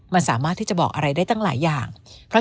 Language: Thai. มันสามารถที่จะบอกอะไรได้ตั้งหลายอย่าง